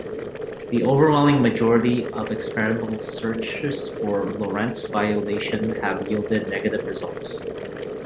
The overwhelming majority of experimental searches for Lorentz violation have yielded negative results.